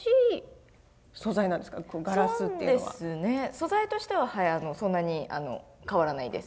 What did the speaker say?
素材としてははいそんなに変わらないです。